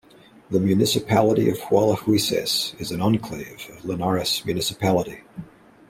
The municipality of Hualahuises is an enclave of Linares municipality.